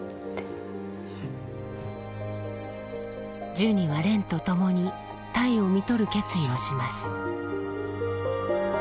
ジュニは蓮と共にたえをみとる決意をします